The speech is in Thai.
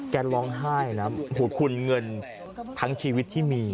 แกร้องไห้นะคุณเงินทั้งชีวิตที่มี